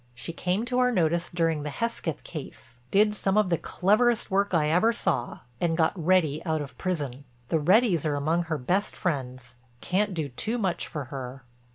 She came to our notice during the Hesketh case—did some of the cleverest work I ever saw and got Reddy out of prison. The Reddys are among her best friends—can't do too much for her."